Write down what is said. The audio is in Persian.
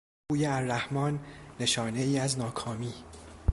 بوی الرحمان، نشانهای از ناکامی